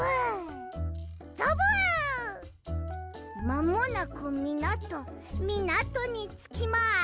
まもなくみなとみなとにつきます！